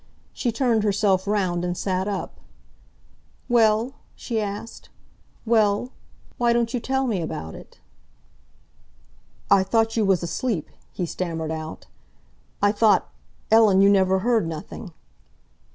She turned herself round and sat up. "Well?" she asked. "Well? Why don't you tell me about it?" "I thought you was asleep," he stammered out. "I thought, Ellen, you never heard nothing."